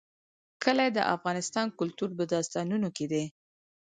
کلي د افغان کلتور په داستانونو کې دي.